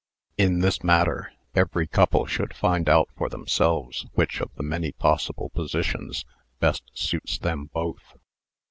In this matter every couple should find out for themselves which of the many possible positions best suits them both.